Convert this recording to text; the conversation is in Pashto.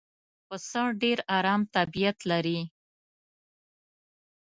پسه ډېر آرام طبیعت لري.